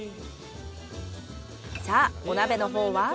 さあお鍋のほうは？